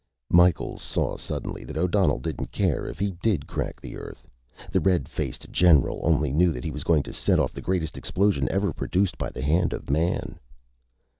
Micheals saw, suddenly, that O'Donnell didn't care if he did crack the Earth. The red faced general only knew that he was going to set off the greatest explosion ever produced by the hand of Man.